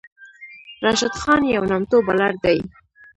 راشد خان یو نامتو بالر دئ.